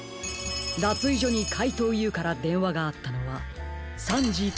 だついじょにかいとうＵからでんわがあったのは３じきっかり。